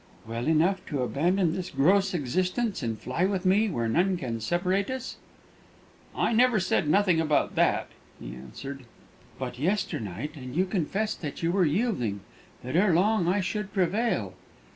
"Well enough to abandon this gross existence, and fly with me where none can separate us?" "I never said nothing about that," he answered. "But yesternight and you confessed that you were yielding that ere long I should prevail."